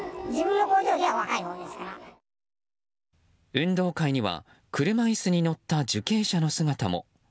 運動会には車椅子に乗った受刑者の姿も。